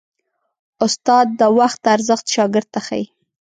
استاد د وخت ارزښت شاګرد ته ښيي.